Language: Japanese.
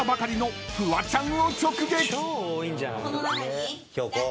フワちゃん。